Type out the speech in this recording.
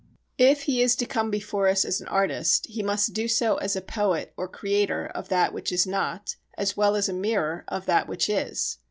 If he is to come before us as an artist, he must do so as a poet or creator of that which is not, as well as a mirror of that which is.